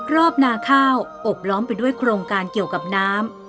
นาข้าวอบล้อมไปด้วยโครงการเกี่ยวกับน้ำ